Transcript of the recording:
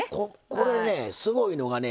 これねすごいのがね。